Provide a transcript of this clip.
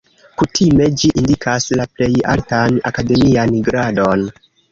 Kutime ĝi indikas la plej altan akademian gradon.